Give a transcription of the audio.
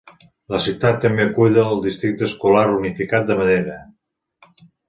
La ciutat també acull el districte escolar unificat de Madera.